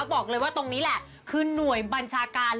บอกเลยว่าตรงนี้แหละคือหน่วยบัญชาการ